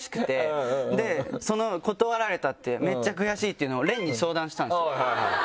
でその断られたってめっちゃ悔しいっていうのを廉に相談したんですよ。